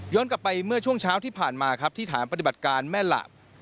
กลับไปเมื่อช่วงเช้าที่ผ่านมาครับที่ฐานปฏิบัติการแม่หลาบ